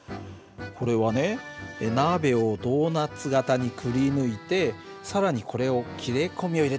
これはね鍋をドーナツ型にくりぬいて更にこれを切れ込みを入れたんだよ。